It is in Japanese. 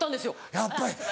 やっぱり！